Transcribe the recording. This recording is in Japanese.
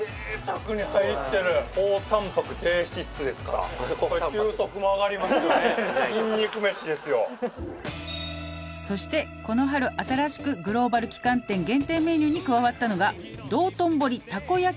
贅沢に入ってる「そしてこの春新しく」「グローバル旗艦店限定メニューに加わったのが」